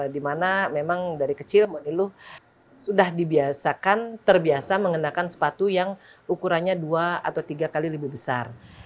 dimana memang dari kecil mbak niluh sudah dibiasakan terbiasa mengenakan sepatu yang ukurannya dua atau tiga kali lebih besar